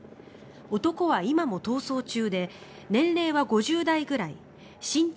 男は今も逃走中で年齢は５０代ぐらい身長